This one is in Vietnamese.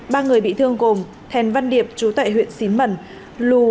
ba người bị thương gồm thèn văn điệp chú tài huyện xín mẩn lù